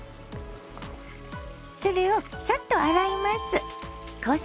それをサッと洗います。